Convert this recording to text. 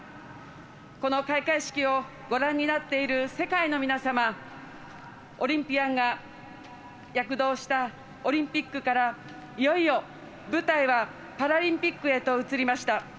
この開会式をご覧になっている世界の皆様オリンピアンが躍動したオリンピックからいよいよ舞台はパラリンピックへと移りました。